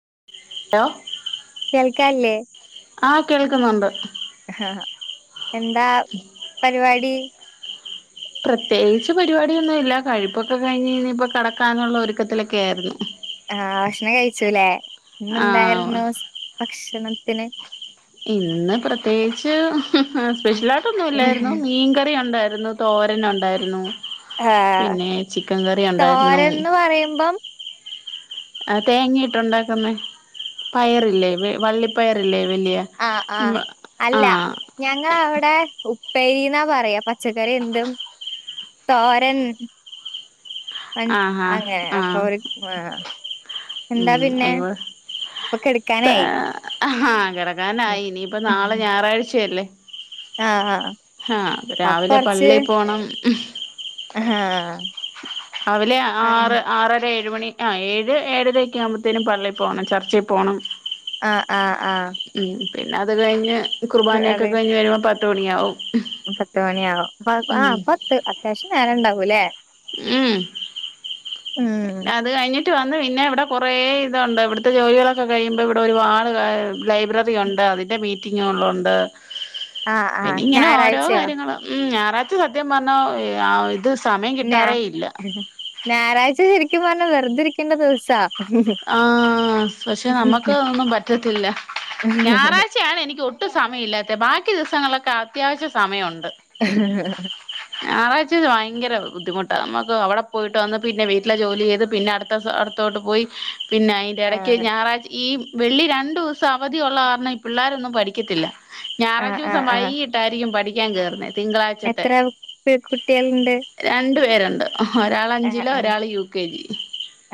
[inaudible] ചളക്കല്ലേ ആഹ കേൾക്കുന്നുണ്ട് ആഹ എന്താ പരിപാടി പ്രത്യേകിച്ച് പരിപാടിയൊന്നും ഇല്ല കഴുപ്പൊക്കെ കഴിഞ്ഞ് ഇനി ഇപ്പ കടക്കാന്നുള്ള ഒരുക്കത്തിലൊക്കെ ആയിരുന്നു ആഹ് ഭക്ഷണം കഴിച്ചുലേ ഇന്ന ആഹ് എന്തായിരുന്നു ഭക്ഷണത്തിന് ഇന്ന് പ്രത്യേകിച്ച് സ്പെഷ്യലായിട്ടൊന്നും ഇല്ലായിരുന്നു മീൻകറി ഉണ്ടായിരുന്നു ഇന്ന് തോരൻ ഉണ്ടായിരുന്നു ആഹ് പിന്നെ ചിക്കൻ കറി ഉണ്ടായിരുന്നു തോരൻന്ന് പറയുമ്പം തേങ്ങിയിട്ടുണ്ടാക്കുന്ന പയറില്ലേ വള്ളിപ്പയറില്ലേ വലിയ ആഹ ആഹ അല്ല ആഹ് ഞങ്ങളവിടെ ഉപ്പേരി ന്നാ പറയാ പച്ചക്കറി എന്തും തോരൻ ആഹ് അങ്ങനെ ആഹ് അപ്പൊ ആഹ് ഒരുര് ആ ഉം അോൾ കെടക്കാനായി ആ കിടക്കാനായി ഇനിയിപ്പ നാളെ ഞായറാഴ്ച്ച യല്ലേ ആഹ ആഹ് ആഹ് പ്പരാവിലെ പള്ളി പോണം ആഹ രാവിലെ ആറ് ആറരെ ഴ് മണി ആ ഏഴ് ഏഴരക്കെ ആയു മ്പത്തേനും പള്ളി പോണം ചർച്ചി പോണം ആ ആഅ പിന്നത് കഴിഞ്ഞ് കുർബാനയൊക്കെ അത് കഴിഞ്ഞ് വരുമ്പോ പത്ത് മണിയാവും പത്ത് മണിയാവും. പത് ആ ഉം പത്ത് അത്യാവശ്യം നേരണ്ടാവൂല്ലേ ഉം ഉം അത് കഴിഞ്ഞ് റ്റ് വന്ന് പിന്നെ വിടെ കുറേ തുണ്ട് വിടുത്തെ ജോലികളൊക്കെ കഴിയുമ്പോ വിടെ ഒരുപാട് കായ് റ്റ് ലൈബ്രറി ഒണ്ട്, അതിൻ്റെ മീറ്റിങ്ങുകളുണ്ട് ആ ആ പിന്നിങ്ങനെ ഓരോ ഞായറാഴ്ചയോ കാര്യങ്ങള്.. മ്.. ഞാറാഴ്ച്ച സത്യം പറഞ്ഞ ഈ അ ഇത് സമയം ഞാ കിട്ടാറേ ഇല്ല ഞായറാഴ്ച ശരിക്കും പറഞ്ഞാ വെറുതരിക്കേണ്ട ദിവസാ ആഹ പക്ഷെ നമ്മക്ക് അഒന്നും പറ്റത്തില്ല ഞായറാഴ്ചയാണ്നിക്ക് ഒട്ടും സമയി ല്ലാത്ത ബാക്കി ദിവസങ്ങളിലൊക്കെ അത്യാവശ്യ സമയൊണ്ട് ആഹഹ്ഹ് ത്തത് ഭയങ്കര ബുദ്ധിമുട്ടാ മ്മക്ക് അവിടെ പോയിട്ട് വന്ന്, പിന്നെ വീട്ടിലെ ജോലി ചെയ്ത്, പിന്നെ അടുത്ത സലത്തോട്ട് പോയി, ആ പിന്നയിന്റെടക്ക് ഞായറാഴ്ച ഈ വെള്ളി രണ്ടൂസവധി ഒള്ള കാരണം ഈ പിള്ളോരൊന്നും പഠിക്കത്തില്ല ആ ആ ഞാറാച്ചൂസം ആ വൈയ്യീട്ടായിരിക്കും പഠിക്കാൻ കേറുന്നെ തിങ്കളാഴ്ചത്തെ, എത്ര പി- കുട്ടികളുണ്ട് രണ്ടു പേരാ ആ ഓഹ്‌രാളഞ്ചിലൊ ആ ഒരാള് യുകെജി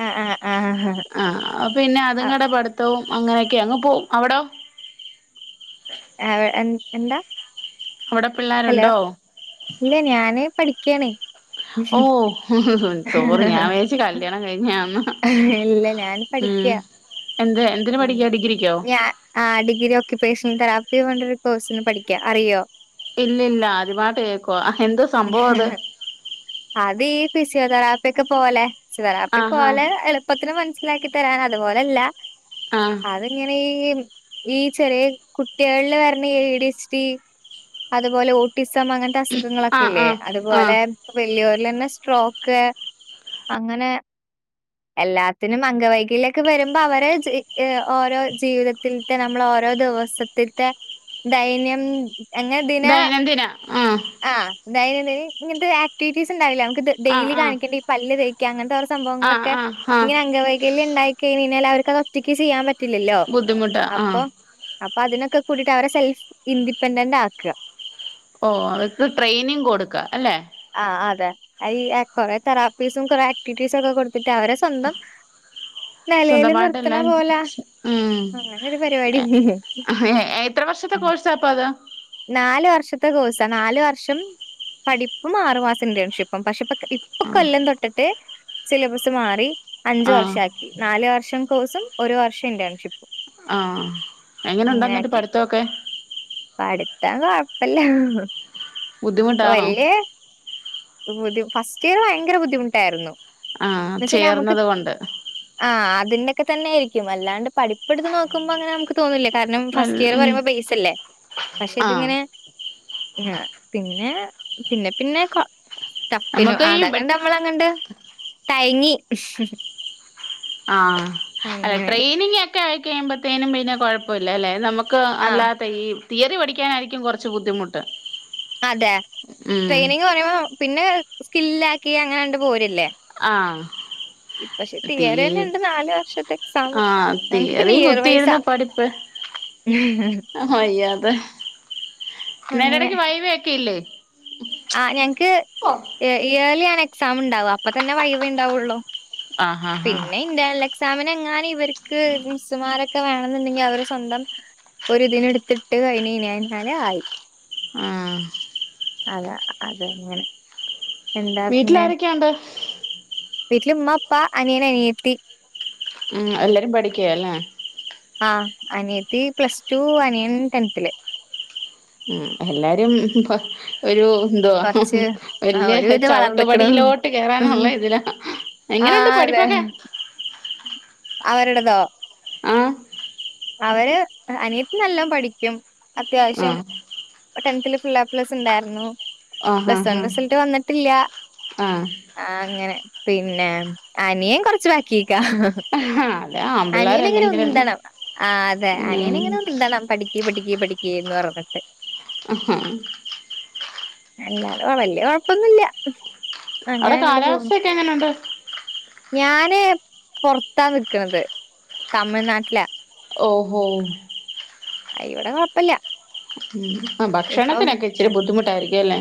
ആ ആ ആ ആഹ് പിന്നെ ആ അത്ങ്ങാടെ പട്ത്തവും അങ്ങനെയൊക്കങ് പോവും അവടോ? അവെ എൻ എന്താ അവിടെ ഹലോ പിള്ളേരുണ്ടോ ല്ല ഞാന് പടി ഓ സോറി ഞാൻ [unintelligible] വിചാരിച്ച് കല്യാണം കഴിഞ്ഞയാന്ന് ഇല്ല ഞാന് പഠിക്ക ഉം എന്ത് എന്തിന് മ്മ് പഠിക്കാ ഡിഗ്രിക്കോ ഞാ ആ ഡിഗ്രിയോ ക്ക് പേഷ്മ് തെറാപ്പി ന്ന് പറഞ്ഞിട്ടൊരു കോഴ്സിന് പഠിക്കാ, അറിയോ? ഇല്ലല്ല അത് പാട്ട് കേക്കുവാ എന്ത് സംഭവത് പിസിയോതെറാപ്പ്യക്കെ പോലെ ഫിസിയോതറാപ്പി ആഹാ പ്പോലെ എള്പ്പത്തില് മൻസിലാക്കിത്തരാനതുപോലല്ല ആഹ് അതെങ്ങനെ ഈമ്മ് ഈ ചെറിയ കു ട്ടിയാൾള് വരണ എ ഡി എച്ച് ഡി അതുപോലെ ഓട്ടിസം- സം ആഹ് അങ്ങനത്തസുഖങ്ങളൊക്കെല്ലേ, ആഹ് ആഹ് അതുപോലെ വൽയോരിലന്നെ ട്രോക്ക് അങ്ങനെ എല്ലാത്തിനും അംഗവൈകല്യൊക്കെ വരുമ്പവരെ ച്ചിയ് ഇ ഓരെ ജീവിതത്തിൽത്തെ നമ്മളോ ഓരോ ദിവസത്ത്ത്തെ ദൈനം അങ്ങതിനാ ദൈനംദിന ആഹ് ആ ദൈനംദിനി ഇങ്ങൻത്തെരാആക്ടിറ്റീസ് ണ്ടായില്ലമ്മക്ക് ആഹ് ഡെയിലി ആഹ് കാണികണ്ട പല്ല് തേക്കാ.. അങ്ങനത്തെഓരോ ആഹ് സംഭവങ്ങളൊക്കെ ആഹ് ആഹ് ഇങ്ങനെ അംഗവൈകല്യ ണ്ടായികയ്ഞ് ന്നെല്ലാവർക്കത് ഒറ്റക്ക് ചെയ്യാൻപറ്റില്ലല്ലോ ബുദ്ധിമുട്ടാ അപ്പൊ ആഹ് അപ്പൊ പ്പതിനൊക്കെകൂട്ടീട്ടവരെ സെൽഫ് ഇൻഡിപെൻഡൻ്റാക്ക ഓ അവർക്ക് ട്രെയിനിങ് കൊടുക്ക അല്ലെ ആ അതെ അയ്ഈ അ കൊറെ തെറാപ്പീസും കൊറെ ആക്ടിവിറ്റീസൊക്കെ കൊട്ത്ത്ട്ടവരെ സ്വന്തം നിലയില് സ്വന്തമായിട്ടെല്ലാം നിർത്തണപോല, ഉം അങ്ങനൊരു പരിപാടി ഹ്ഹ എത്ര വർഷത്തെ കോഴ്സാപ്പത് നാല് വർഷത്തെ കോഴ്സാ നാല് വർഷം പഠിപ്പും ആറുമാസന്റേൺഷിപ്പും പക്ഷെപ്പക്ക് ഇപ്പൊ കൊല്ലം തൊട്ടിട്ട് സിലബസ് മാറി അഞ്ച് ആഹ് വർഷാക്കി നാല് വർഷം കോഴ്സും ഒരു വർഷന്റേൺഷിപ്പും ആ എങ്ങനുണ്ടെന്നിട്ട് പഠിത്തവൊക്കെ പഠ്ത്തം കൊഴപ്പല്ല. ഹ് ഹ് ഹ് ബുദ്ധിമുട്ടാണോ ഫസ്റ്റ് ഇയർ ഭയങ്കര ബുദ്ധിമുട്ടായിരുന്നു. ആഹ് എന്നച്ച നമുക്ക് ചേർന്നത് കൊണ്ട് ആഹ അതിന്റെ ഒക്കെ തന്നൊയിരിക്കും അല്ലാണ്ട് പഠിപ്പ്ടുത്ത് നോക്കുമ്പോ അങ്ങന നുക്ക് തോന്നൂല്ല കാരണം വൽ ഫസ്റ്റ് ഇയർ ഉം പറയുമ്പോ ബേസ് അല്ലേ പക്ഷെ ആഹ് ഇതിങ്ങനെ ആ പിന്നെ പിന്നെ പിന്നെ ട്ടഫിനു നമുക്ക് ഈ ബെ അതങ്ങണ്ട് നമ്മളങ്ങണ്ട് തയങ്ങി ആഹ അല്ലെ അങ്ങനെ ട്രെയിനിങ് ഒക്കെ ആയിക്കഴിയ്പോത്തേനും പിന്നെ കുഴപ്പമല്ല അല്ലെ നമുക്ക് - ആഹ് അല്ലാത്ത ഈ തിയറി പഠിക്കാനായിരിക്കും കുറച്ച് ബുദ്ധിമുട്ട്. അതെ ഉം ട്രെയിനിങ് പറയുമ്പോ പിന്നെ സ്കില്ല ആക്കി അങ്ങനെണ്ട് പോരല്ലേ? ആഹ [inaudible] ഇ പക്ഷെ തിയറി തന്നെ ഉണ്ട് നാല് വർഷത്തെ എക്സാാം ആഹ് ഞങ്ങക്ക് പിന്നെ തിയറി ഇയർ വൈസാ കുത്തിയിരുന്ന് പഠിപ്പ് ഉ [unintelligible] അതന്നരി ഇടക്ക് വൈവ ഒക്കെ ഇല്ലേ [inaudible] ആ് ഞങ്ങക്ക്ർ ഇയർലി ആണ് എക്സാം ഉണ്ടാവും അപ്പ തന്നെ വൈവ ഉണ്ടാവൊള്ളോ ആഹ് ആഹ് ആഹ് പിന്നെ ഇന്റെര്ണല് എ എക്സാമിനു എങ്ങാനും ഇവർക്ക് മിസുമാരൊക്കെ വേണെന്നുണ്ടെങ്കിൽ അവര് സ്വന്തം ഒരുതിന് എടുത്തിട്ട് കഴിഞ്ഞ കൈഞ്ഞാല ആയി ആഹ [inaudible] അതെ അത അങ്ങനെ വീട്ടില ആരൊക്കെയാണ്ട് [inaudible] വീട്ടിൽ ഉമ്മ ഉപ്പാ അനിയൻ അനിയ ത്തി വി ഉം എല്ലാരും പഠിക്കയല്ലേ ആ അനിയത്തി പ്ലസ് ടു അനിയൻ ടെൻെത്തില് ഉ എല്ലാരും ഒരു [inaudible] എണ്തുവാ കൊറച്ച് ആഹ് വല്യ ഒരുവിധം വളർന്ന്ക്ക്ണ് ചവിട്ടുപടിയിലോട്ട് കേയറാ [inaudible] നുള്ള ഇതിലാ എങ്ങനെുണ്ട് ആഹ് അതെ പഠിപ്പൊക്കെ [inaudible] അവരുടേതോ? ആഹ [inaudible] അവര് അനിയത്ത് നല്ലോം പഠിക്കും അത്യാവശ്യം. ആഹ് ടെൻത്തിൽ ഫുൾ എപ്പ്ലസ് ഉണ്ടായിരുന്നു. ആഹ് പ്ലസ് വൺ ആഹ് റിസൾട്ട് വന്നിട്ടില്ല ആഹ് ആ അങ്ങനെ പിന്നെ അനിയൻ കൊറച്ച്ബാക്കി ആഹ് അതെ അനിയൻ എങ്ങനെ ആമ്പിള്ളേരല്ലെങ്കിലും ഉന്തണം ആ് അതെ അനിയന ഉം ഇങ്ങനെ ഉന്തണം അതെ പഠിക്കേ പഠിക്കേ പഠിക്ക എന്ന് പറഞ്ഞിട്ട് - ഹഹാ എല്ലാതെ വല്യ കൊഴപ്പൊന്നുല്ല അവിടെ അങ്ങനെ അങ്ങട്ട് പോണ് കാലാവസ്ഥൊക്കെ എങ്ങനുണ്ട്. ഞാന് പുറത്താ നിക്ക്‌ണത് തമിഴ്നാട്ടിലാ ഓഹോ ഇവിടെ കൊയ്പ്പല്ല. ഉം ആ ഭക്ഷണത്തിനൊക്കെ ഇച്ചിരി ബുദ്ധിമുട്ടായിരിക്കും ല്ലേ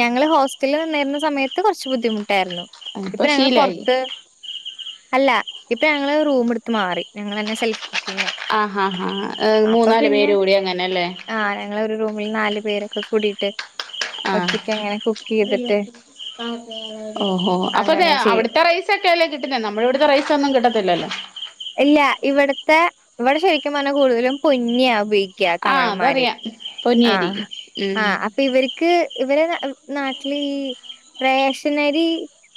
ഞങ്ങള് ഹോസ്റ്റല് നിന്നിരുന്ന സമയത്ത് കുറച്ച് ബുദ്ധിമുട്ടായ്രുന്നു. ഇപ്പൊ ഞങ്ങള് പൊറത്ത് അല്ല ഇപ്പൊ ഞങ്ങള് റൂമ് ഇട്ത്ത് മാറി ഞങ്ങൾന്നെ സെൽഫ് കുക്കിങ്ങാ ആഹ് ആഹ് ആഹ് അപ്പോ മൂന്നാല് പിന്നെ പേര് കൂടി അങ്ങനല്ലേ ആ ഞങ്ങളെരുറൂ ഒരു നല് പേരൊക്കെ കൂടിയിട്ട് ആഹ് ഒറ്റക്ക്ങ്ങനെ കൂ ഓഹോ അപ്പൊ അങ്ങനെ ചെയ്യും. അവിടുത്തെ റൈസ ഒക്കെല്ലേ കിട്ടുന്നേ നമ്മളെ വിടുത്തെ റൈസ് ഒന്നും കിട്ടത്തില്ലല്ലോ ഇല്ല ഇവിടത്തെ ഇവിടെ ശരിക്കും പറഞ്ഞാൽ കൂടുതലും പൊന്നിയ ഉപയോഗിക്ക ആഹ് തമഴന്മാർ അതറിയാം ആ പൊന്നിയരി ഉം അപ്പ ഇവർക്ക് ഇവര് നാട്ടില് ഈ റേഷനരി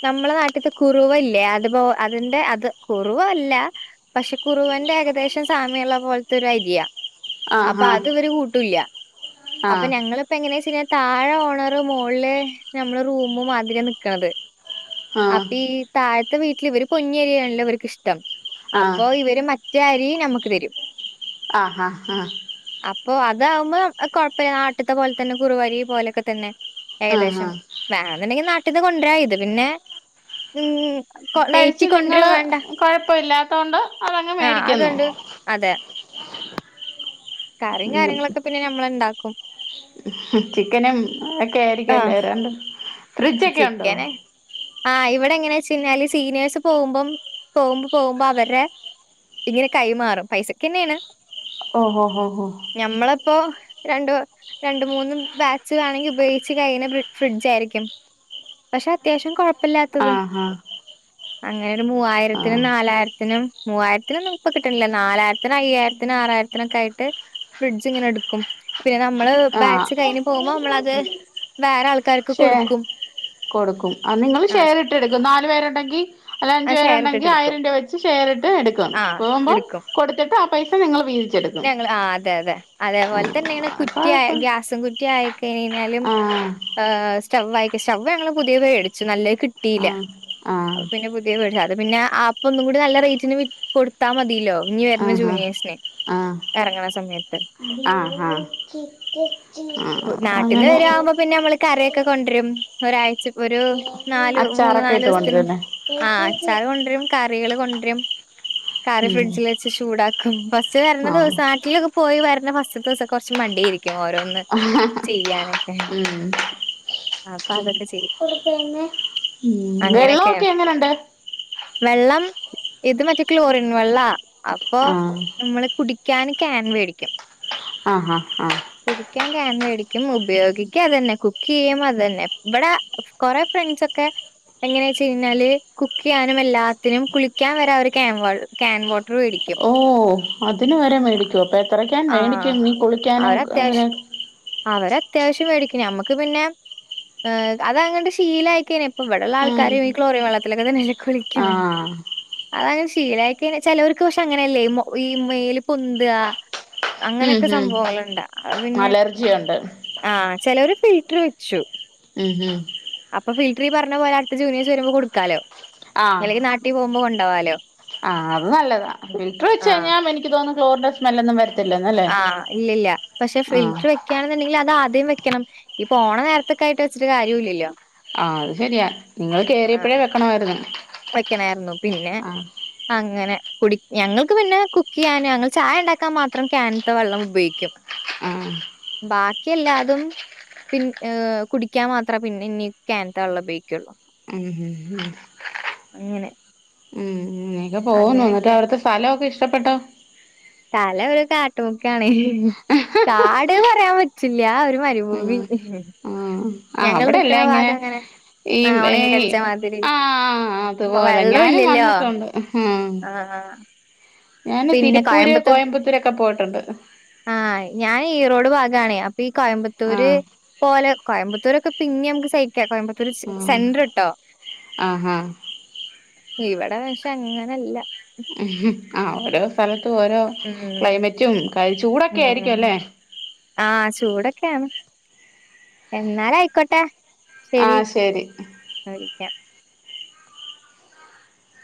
നമ്മളെ നാട്ട്ത്തെ കുറവല്ലേ അത്പ്പോ അതിന്റെ അത് കുറവല്ല പക്ഷെ കുറുവന്റെ ഏകദേശം സാമ്യുള്ള പോലത്തെ ഒരു അരിയ അപ്പൊ ആഹാ അത് ഇവര് കൂട്ടൂല്ല അപ്പൊ ആഹ് ഞങ്ങളിപ്പോ എങ്ങനെ ചെയ്‌ഞ്ഞാ താഴെ ഓണർ മോളില് നമ്മള് റൂമ് മാതിരി നക്ക്‌ണത് ആഹ് അപ്പൊ ഈ താഴത്തെ വീട്ടിൽ ഇവര് പൊന്നിരിയാണല്ലോ ഇവക്ക് ഇഷ്ടം ആഹ് അപ്പൊ ഇവര് മറ്റെ അരി നമുക്ക് തരും ആഹ ഹാ ഹാ അപ്പൊ അതാകുമ്പോ കുഴപ്പമില്ല നാട്ടത്തെ പോലെ തന്നെ കുറുുവരി പോലെയൊക്കെ തന്നെ ആഹാ ഏകദേശം വേണെന്നുണ്ടെങ്കിൽ നാട്ടിൽന്ന് കൊണ്ടര ഇത് പിന്നെ ഉം കൊ ഏറ്റി കഴിച്ചു കൊണ്ടരും നിങ്ങള് വേണ്ട. കൊഴപ്പ ഇല്ലാത്തൊണ്ട് അതങ്ങ് ആഹ് മേടിക്കുന്നു അതുണ്ട്. അതെ. കറിയും കാര്യങ്ങളൊക്കെ പിന്നെ ഞമ്മള് ണ്ടാക്കും ചിക്കനും ഒക്കെ ആഹ് ആയിരിക്കല്ലേ രണ്ട് ഫ്രിഡ്ജൊക്കെ ഉണ്ടോ ആ് ഇവിടെ എങ്ങനെ വെച്ച കഴിഞ്ഞാല് സീനിയേഴ്സ് പോകുമ്പം പോകുമ്പോ പോകുമ്പോ അവരെ ഇങ്ങനെ കൈമാറും പൈസക്കന്നെണ് ഓഹോ ഹോ ഹോ ഇപ്പോ രണ്ട് രണ്ട് മൂന്ന് ബാച്ച് വേണെങ്കി ഉപയോഗിച്ച് കഴിഞ്ഞ ഫ്രിഡ്ജായിരിക്കും പക്ഷെ അത്യാവശ്യം കൊഴപ്പില്ലാത്തത് ആഹ് ആഹ് അങ്ങനെ ഒരു മൂവായിരത്തിനും നാലായിരത്തിനും മൂവായിരത്തിനോന്നും ഇപ്പൊ കിട്ടണില്ലേ നാലായിരത്തിനും അയ്യായിരത്തിനാറായിരത്തിനൊക്കെ യിട്ട് ഫ്രിഡ്ജ് ഇങ്ങനെ എടുക്കും പിന്നെ നമ്മള് ആഹ് ആഹ് ബാച്ച് കഴിഞ് പോകുമ്പോ നമ്മളത് വേറെ ആൾക്കാർക്ക് ശേ കൊടുക്കും കൊടുക്കും ആ ങ്ങള് ആഹ് ഷെയർട്ടെടുക്കും നാലല് പേരുണ്ടങ്കിൽ അല്ലേ അഞ്ചു അത് ഷെയർ ഇട്ടിട്ട് പേരുണ്ടങ്കിൽ എടുക്കും. ആയിരം രൂപ വെച്ച് ഷെയർ എട്ക്കും ആഹ് പോവുമ്പോ എടുക്കും. കൊടുത്തിട്ട് ആ പൈസ നിങ്ങൾ വീതിച്ചെടുക്കും ഞങ്ങള് ആഹ് അതെ അതെ. അതേപോലെ തന്നെയാണ് അത് കുറ്റിയ കൊഴപ്പം ഗ്യാസും കുറ്റിയ ആയി കഴഞ്ഞാലും ആഹ് ഹ് സ്റ്റവ് ആയിക്കും സ്റ്റവ് ഞങ്ങള് പുതിയത് മേടിച്ചു നല്ലത് കിട്ടിയില്ല ആഹ് ആഹ് അപ്പൊ പിന്നെ പുതിയത് വേടിച്ചു അ പിന്നെ ആപ്പൊ ഒന്നും കൂടി നല്ല റേറ്റിന് വിറ്റ് കൊടുത്താൽ മതിയല്ലോ ഇനി വരുന്ന ആഹാ ജൂനിയേഴ്സിന് എർങ്ങണ സമയത്ത് ആഹ ആഹ ആ അങ്ങനെ ഒക്കെ കൊണ്ട് രും ഒരാഴ്ച ഒരു നല് മൂന്ന അച്ചാറൊക്കെ നാല് ഇട്ട് ദിസത്തിന് കൊണ്ടുവരുല്ലേ ആ അച്ചാറ് കൊണ്ടുവരും കറികളും കൊണ്ട് രും കറി ഉം ഫ്രിഡ്ജിൽ വെച്ച് ചൂടാക്കും ഫാസ്റ്റ് വരുന്ന ആഹ് ദിവസം നട്ടിലൊക്കെ പോയി വര്ണ പിന്നെ ഫാസ്റ്റ്ത്തെ ദിവസ ക്കെ കൊറച്ച് മടിയയിരിക്കും ഓരോന്ന് ചെയ്യാനൊക്കെ ആ പാതൊക്കെ ചെയ്യും വെള്ളൊക്കെ അങ്ങനെയൊക്കെയാണ് എങ്ങനുണ്ട് വെള്ളം ഇത് മറ്റേ ക്ലോറിൻ വെള്ളാ അപ്പൊ ആഹ് നമ്മള് കുടി ക്ൻ ക്യാൻ മേടിക്കും ആ ആ ആ ൻ മേടിക്കും ഉപയോഗിക്കും അത്ന്നെ കുക്ക് ചെയ്യും അത് തന്നെ ഇവിടെ കൊറെേ ഫ്രണ്ട്സ ഒക്കെ എങ്ങനെ വെച്ച കഴിഞ്ഞാല് കുക്ക് ചെയ്യാനും എല്ലാത്തിനും കുളിക്കാൻ വരാ ഒരു ക്ൻ ക്യാൻ വോട്ടർ മേടിക്കും ഓ അതിന് വരെ മേടിക്കും അപ്പൊ എത്രക്കൻ ആഹ് മേടിക്കും നീ കുളിക്കാനോ അങ്ങനെ അവര് അത്യാവശ്യം മേടിക്കന് നമ്മക്ക് പിന്നെ അത അങ്ങ ശീലയക്ക ഇപ്പ ഇവിടെള്ള ഉം ആൾക്കാരെയും ഈ ക്ലോറിൻ വെള്ളത്തിലൊക്കെ തന്നെില കുളിക്ക ആഹ് അത ശീലക്കെ ചിലവർക്ക് പക്ഷെ അങ്ങനെയല്ലേ ഈ മേൽ പൊന്ന്ത അങ്ങനെയൊക്കെ സംഭവങ്ങുണ്ട പിന്നെ ജിയുണ്ട് ചില ഒരു ഫിൽട്ടർ വെച്ചു ഉം ഹും അപ്പൊ ഫിൽട്ടറി പറഞ്ഞ പോലെ അടുത്ത ജൂനിയഴസ് വരുമ്പോ കൊടുക്കാലോ അല്ലെങ്കിൽ നട്ടിൽ പോകുമ്പോ കൊണ്ടാവാലോ ആ അത് നല്ലതാ ഫിൽട്ടർ വെച്ച് കഴിഞ്ഞാൽ എനിക്ക് തോന്നുന്നു ക്ലോറിഡോ സ്മെല്ലൊന്നും വര ആ ഇല്ലല്ല പക്ഷെ ആഹ് ഫിൽട്ടർ വെക്കയാണെന്നുണ്ടെങ്കിൽ അത് ആദ്യം വെക്കണം ഇപ്പോണ നേരത്തെക്കെ ആയിട്ട് വെച്ചിട്ട് കാര്യ ഇല്ലല്ലോ ആ അത് ശെരിയാ നിങ്ങള് കേറിയപ്പഴേ വെക്കണമായിരുന്നു വയ്ക്കണായിരുന്നു പിന്നെ ആഹ് ആ അങ്ങനെ കുടി ഞങ്ങൾക്ക് പിന്നെ കുക്ക് ചെയ്യാനും ഞങ്ങള് ചായ ഉണ്ടാക്കാൻ മാത്രം കാനിത്തെ വെള്ളം ഉപയോഗിക്കും ആ ബാക്കി എല്ലാതും പിന്നെ കുടിക്കാൻ മാത്രമേ പിന്നെ ഇനി കാനിത്തെ വെള്ളം ഉപയോഗിക്കുള്ളൂ ഉം ഉം ഉം അങ്ങനെ ഉം ഇങ്ങനെക്കെ പോകുന്നു എന്നിട്ട് അങ്ങനെയൊക്കെ അവിടുത്തെ സ്ഥലമൊക്കെ ഇഷ്ടപ്പെട്ടോ സ്ഥലം ഒരു കാട്ടുമുക്കാണ് കാട് പറയാൻ പറ്റില്ല ഒരു മരുഭൂമി ഉം ആഹ് ഞങ്ങള് അവിടെ നിക്കണ എല്ലാം ഭാഗം ഇങ്ങനെ അങ്ങനെ ഈ ആ ഉണങ്ങി ഏയ് കടിച്ച മാതിരി ആഹ് അതുപോലെ വെള്ളം ഞാനും ഇല്ലല്ലോ വന്നിട്ടുണ്ട് ഉം ആ ഞാന് പിന്നെ തിരുപ്പൂര് കോയമ്പത്ത് കോയമ്പത്തൂരൊക്കെ പോയിട്ടുണ്ട് ആ ഞാൻ ഈറോട് ഭാഗ ത്താണെ അപ്പൊ ഈ കോയമ്പത്തൂര് ആഹ് പോലെ കോയമ്പത്തൂരൊക്കെ പിന്നെ നമുക്ക് സഹിക്കാം കോയമ്പത്തൂർ ആഹ് സെൻറർട്ടോ ആഹാ ഇവിടെ പക്ഷെ അങ്ങനല്ല ഉ ആ ഓരോ സ്ഥലത്തും ഓരോ ഉം ക്ലൈമറ്റും ചൂടൊക്കെ ആയിരിക്കും അല്ലേ ആ ചൂടൊക്കെയാണ് എന്നാല് ആയിക്കോട്ടെ ശരി ഞാൻ വിളിക്കാം